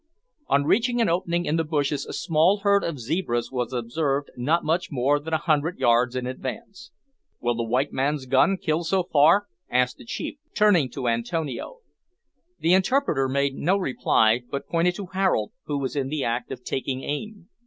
On reaching an opening in the bushes, a small herd of zebras was observed not much more than a hundred yards in advance. "Will the white man's gun kill so far?" asked the chief, turning to Antonio. The interpreter made no reply, but pointed to Harold, who was in the act of taking aim.